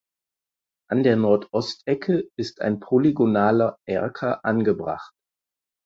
An der Nordostecke ist ein polygonaler Erker angebracht.